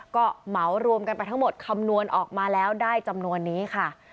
ก็เหมารวมกันไปทั้งหมดคำนวณออกมาแล้วได้จำนวนนี้ค่ะ